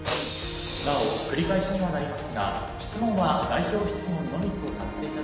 なお繰り返しにはなりますが質問は代表質問のみとさせていただくとともに。